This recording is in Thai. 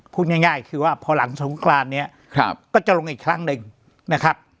พูดง่ายคือว่าพอหลังสงครานเนี่ยก็จะลงอีกครั้งหนึ่งนะครับ